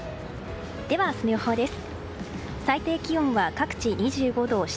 では、明日の予報です。